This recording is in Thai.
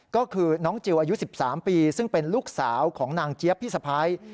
ก็คือน้องจิลอายุ๑๓ปีซึ่งเป็นลูกสาวของนางเจี๊ยบพี่สะพ้าย